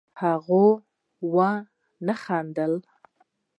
هغه ونه خندل